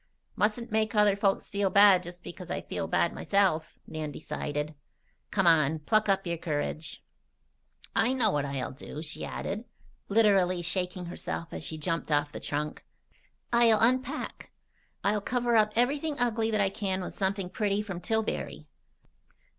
"Mustn't make other folks feel bad just because I feel bad myself," Nan decided. "Come on! Pluck up your courage! "I know what I'll do," she added, literally shaking herself as she jumped off the trunk. "I'll unpack. I'll cover up everything ugly that I can with something pretty from Tillbury."